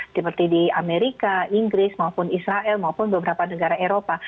seperti di amerika inggris maupun israel maupun beberapa negara eropa